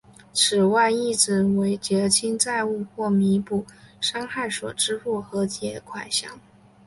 此外亦指为结清债务或弥补伤害所支付的和解款项。